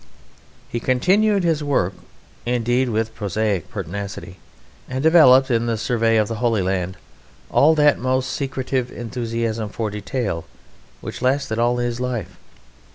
He continued his work indeed with prosaic pertinacity, and developed in the survey of the Holy Land all that almost secretive enthusiasm for detail which lasted all his life.